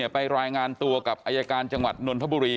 ไปรายงานตัวกับอายการจังหวัดนนทบุรี